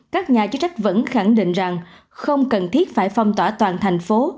các nhà chức trách vẫn khẳng định rằng không cần thiết phải phong tỏa toàn thành phố